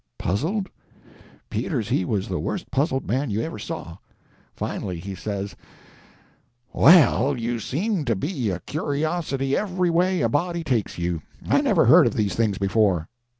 Puzzled? Peters, he was the worst puzzled man you ever saw. Finally he says— "Well, you seem to be a curiosity every way a body takes you. I never heard of these things before."